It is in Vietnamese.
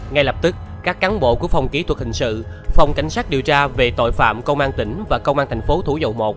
ngay lập tức các cán bộ của phòng kỹ thuật hình sự phòng cảnh sát điều tra về tội phạm công an tỉnh và công an thành phố thủ dầu một